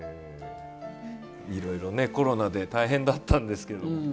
いろいろコロナで大変だったんですけど。